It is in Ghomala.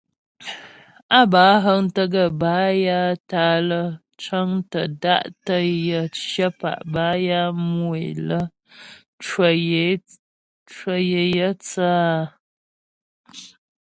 Á bə́ á həŋtə gaə́ bâ ya tǎ'a lə́ cəŋtə da'tə yə cyə̌pa' bə́ ya mu é lə cwə yə é thə́ áa.